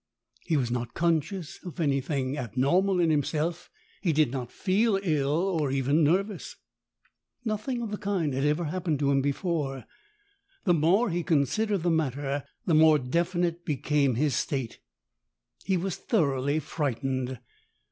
He was not conscious of anything abnormal in himself. He did not feel ill, or even nervous. ROSE ROSE 151 Nothing of the kind had ever happened to him before. The more he considered the matter, the more definite became his state. He was thoroughly frightened.